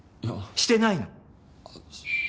してないの？